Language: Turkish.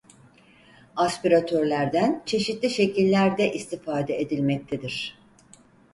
Aspiratörlerden çeşitli şekillerde istifade edilmektedir.